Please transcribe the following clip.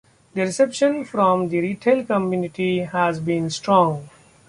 The reception from the retail community has been strong.